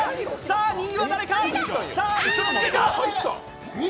２位は誰か？